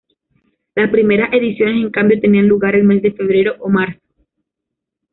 Las primeras ediciones, en cambio, tenían lugar el mes de febrero o marzo.